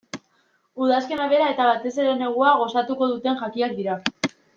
Udazkena bera eta batez ere negua gozatuko duten jakiak dira.